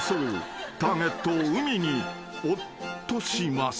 ［ターゲットを海に落っとします］